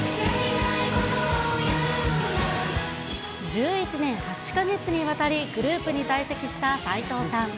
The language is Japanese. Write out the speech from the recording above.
１１年８か月にわたりグループに在籍した齋藤さん。